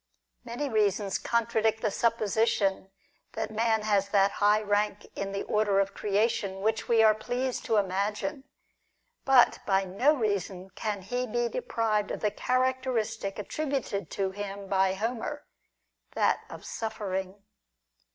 Many reasons con tradict the supposition that man has that high rank in the order of creation which we are pleased to imagine ; but by no reason can he be deprived of the characteristic attributed to him by Homer — that of suffering.